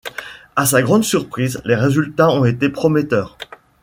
À sa grande surprise, les résultats ont été prometteurs.